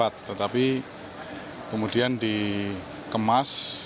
tetapi kemudian dikemas